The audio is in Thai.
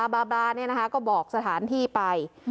บานี่นะคะก็บอกสถานที่ไป